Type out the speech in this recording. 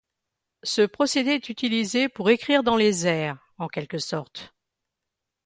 Ce procédé est utilisé pour écrire dans les airs, en quelque sorte.